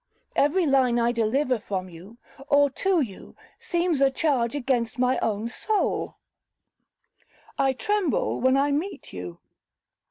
Every line I deliver from you, or to you, seems a charge against my own soul,—I tremble when I meet you.